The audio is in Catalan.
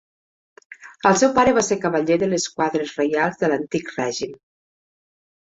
El seu pare va ser cavaller de les quadres reials de l'Antic règim.